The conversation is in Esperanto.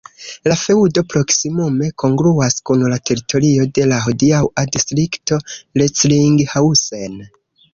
La feŭdo proksimume kongruas kun la teritorio de la hodiaŭa distrikto Recklinghausen.